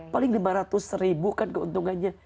paling lima ratus ribu kan keuntungannya